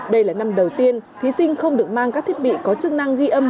đây là năm đầu tiên thí sinh không được mang các thiết bị có chức năng ghi âm